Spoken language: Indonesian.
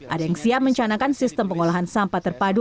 ada yang siap mencanakan sistem pengolahan sampah terpadu